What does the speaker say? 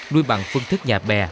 nuôi bằng phương thức nhà bè